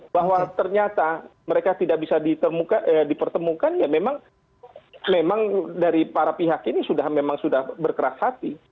bahwa ternyata mereka tidak bisa dipertemukan ya memang dari para pihak ini memang sudah berkeras hati